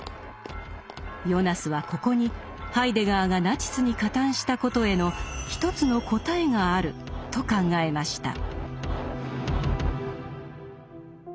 ヨナスはここにハイデガーがナチスに加担したことへの一つの答えがあると考えました。